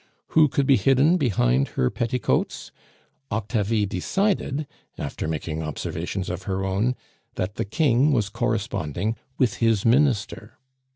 Who could be hidden behind her petticoats? Octavie decided, after making observations of her own, that the King was corresponding with his Minister.